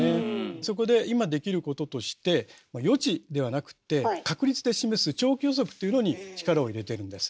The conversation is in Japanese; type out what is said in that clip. そこで今できることとして予知ではなくって「確率で示す長期予測」っていうのに力を入れてるんです。